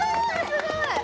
すごい！